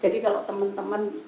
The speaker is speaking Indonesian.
jadi kalau teman teman